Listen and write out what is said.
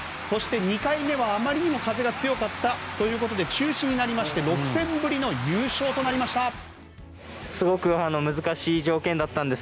そして２回目は、あまりにも風が強かったということで中止になりまして６戦ぶりの優勝となりました。